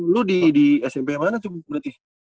lu di smp mana tuh berarti